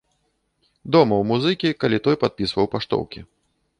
Дома ў музыкі, калі той падпісваў паштоўкі.